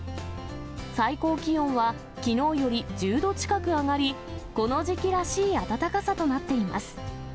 最高気温はきのうより１０度近く上がり、この時期らしい暖かさとなっています。